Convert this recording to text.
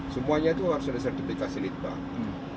semuanya itu harus disertifikasi di tni